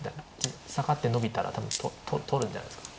サガってノビたら多分取るんじゃないですか？